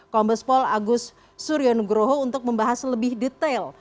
kombespol agus suryonugroho untuk membahas lebih detail